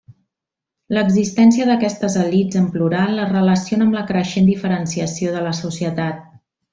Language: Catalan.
L'existència d'aquestes elits en plural es relaciona amb la creixent diferenciació de la societat.